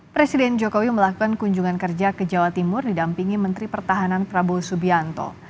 presiden jokowi melakukan kunjungan kerja ke jawa timur didampingi menteri pertahanan prabowo subianto